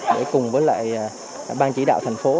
để cùng với lại ban chỉ đạo thành phố